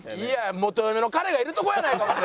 元嫁のカレがいるとこやないかそれ！